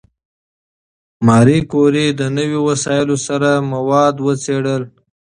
ماري کوري د نوي وسایلو سره مواد وڅېړل.